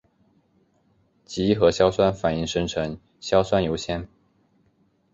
极易和硝酸反应生成硝酸铀酰。